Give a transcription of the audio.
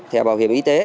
thẻ bảo hiểm y tế